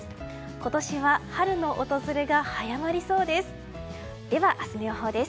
今年は春の訪れが早まりそうです。